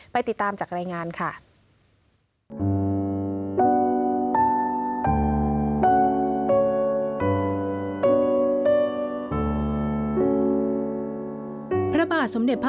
ติดตามจากรายงานค่ะ